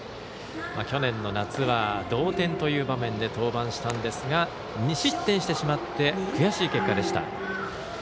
去年の夏は同点という場面で登板したんですが２失点してしまって悔しい結果でした。